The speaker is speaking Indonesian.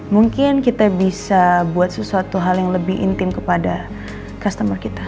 mungkin kita bisa buat sesuatu hal yang lebih intim kepada customer kita